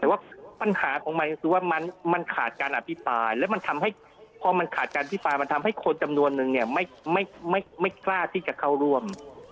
แต่ว่าปัญหาของมันคือว่ามันขาดการอภิปรายแล้วมันทำให้พอมันขาดการพิปรายมันทำให้คนจำนวนนึงเนี่ยไม่กล้าที่จะเข้าร่วม